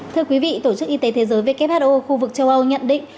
thưa quý vị tổ chức y tế thế giới who khu vực châu âu nhận định